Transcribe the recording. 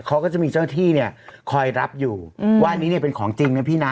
เขาก็จะมีเจ้าที่เนี่ยคอยรับอยู่ว่าอันนี้เนี่ยเป็นของจริงนะพี่นะ